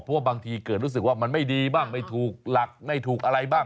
เพราะว่าบางทีเกิดรู้สึกว่ามันไม่ดีบ้างไม่ถูกหลักไม่ถูกอะไรบ้าง